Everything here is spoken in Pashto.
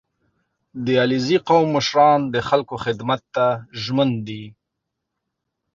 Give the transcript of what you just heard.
• د علیزي قوم مشران د خلکو خدمت ته ژمن دي.